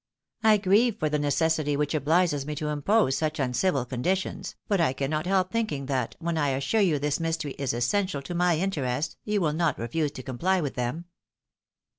I grieve for the necessity which obhges me to impose such uncivil condi tions, but I cannot help thinking that, when I assure you this mystery is essential to my interest, you wiU not refuse to com ply with them."